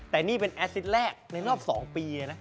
แต่นี่เป็นแอซิดแรกในรอบ๒ปี